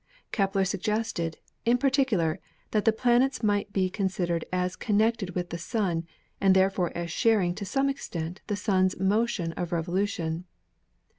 Kepler sug gested, in particular, that the planets might be considered as connected with the Sun and therefore as sharing to some extent the Sun's motion of revolution.